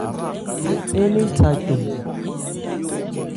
Ń nɛ́n tha cɔn.